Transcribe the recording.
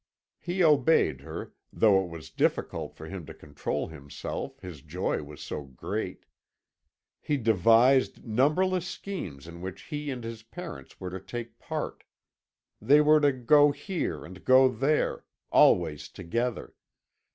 "He obeyed her, though it was difficult for him to control himself, his joy was so great. He devised numberless schemes in which he and his parents were to take part. They were to go here, and to go there always together.